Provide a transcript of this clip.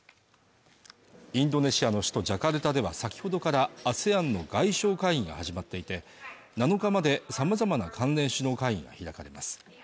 インドネシアの首都ジャカルタでは先ほどからＡＳＥＡＮの外相会議が始まっていて７日まで様々な関連首脳会議が開かれます